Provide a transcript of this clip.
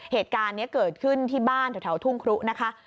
เหตุการณ์นี้เกิดขึ้นที่บ้านแถวทุ่งครุนะคะ